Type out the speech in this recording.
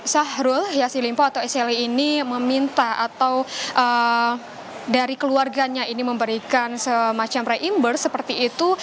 syahrul yassin limpo atau sle ini meminta atau dari keluarganya ini memberikan semacam reimbers seperti itu